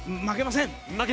負けません！